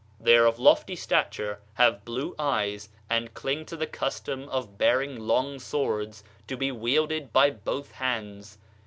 They are of lofty stature, have blue eyes, and cling to the custom of bearing long swords, to be wielded by both hands.